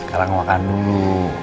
sekarang makan dulu